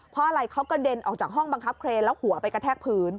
เพราะอะไรเขากระเด็นออกจากห้องบังคับเครนแล้วหัวไปกระแทกพื้น